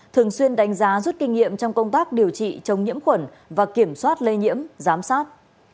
thường xuyên đánh giá rút kinh nghiệm trong công tác điều trị chống nhiễm khuẩn và kiểm soát lây nhiễm giám sát